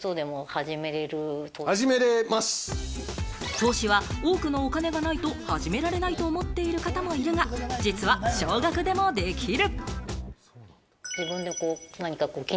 投資は多くのお金がないと始められないと思っている方もいるが、実は少額でもできる。